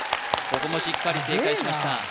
ここもしっかり正解しました